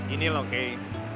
ini loh kei